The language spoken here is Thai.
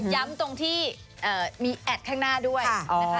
ตรงที่มีแอดข้างหน้าด้วยนะคะ